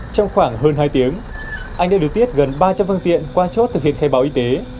trong khoảng hơn hai tiếng anh đã điều tiết gần ba trăm linh phương tiện qua chốt thực hiện khai báo y tế